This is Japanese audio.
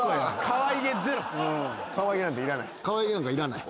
かわいげなんかいらない。